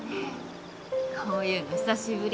こういうの久しぶり。